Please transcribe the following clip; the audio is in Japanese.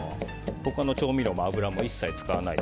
他の調味料も油も一切使わないで。